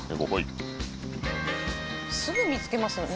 すぐ見つけますね。